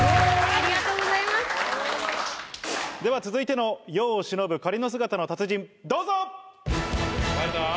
では続いての世を忍ぶ仮の姿の達人どうぞ！誰だ？